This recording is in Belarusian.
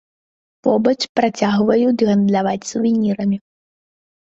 Побач працягваюць гандляваць сувенірамі.